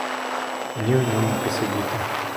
Ні в ньому посидіти.